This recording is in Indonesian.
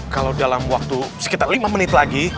kalau dalam waktu sekitar lima menit lagi